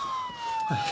はい。